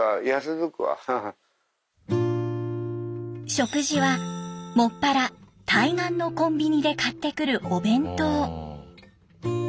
食事はもっぱら対岸のコンビニで買ってくるお弁当。